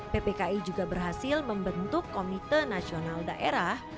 ppki juga berhasil membentuk komite nasional daerah